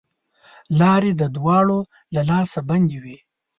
لاري د واورو له لاسه بندي وې.